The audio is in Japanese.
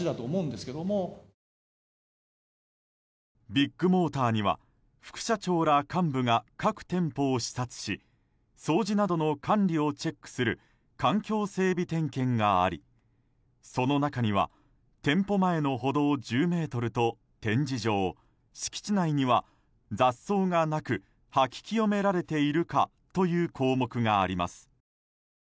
ビッグモーターには副社長ら幹部が各店舗を視察し掃除などの管理をチェックする環境整備点検がありその中には店舗前の歩道１０ｍと展示場敷地内には雑草がなく掃き清められているかという項目があります。